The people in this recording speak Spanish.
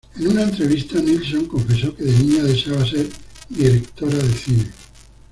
En una entrevista Nilsson confesó que de niña deseaba ser directora de cine.